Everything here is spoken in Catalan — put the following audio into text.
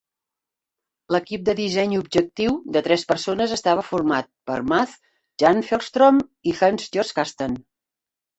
L'equip de disseny objectiu de tres persones estava format per Muth, Jan Fellstrom i Hans-Georg Kasten.